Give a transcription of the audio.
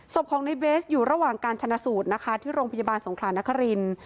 ศพของในเบสอยู่ระหว่างการชนะสูตรนะคะที่โรงพยาบาลสงครานนครินทร์